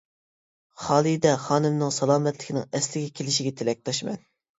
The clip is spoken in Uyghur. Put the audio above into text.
خالىدە خانىمنىڭ سالامەتلىكىنىڭ ئەسلىگە كېلىشىگە تىلەكداشمەن.